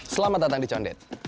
selamat datang di condet